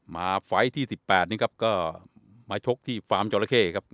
ไฟล์ที่๑๘นี้ครับก็มาชกที่ฟาร์มจอราเข้ครับ